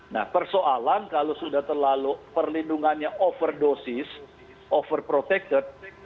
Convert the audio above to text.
nah persoalan kalau sudah terlalu perlindungannya overdosis overprotected